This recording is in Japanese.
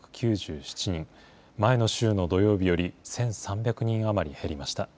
前の週の土曜日より１３００人余り減りました。